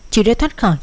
chưa đã thoát khỏi